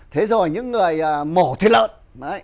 thế rồi những người mổ thì lợn